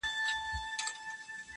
• په ښکارپورۍ سترگو کي، راته گلاب راکه.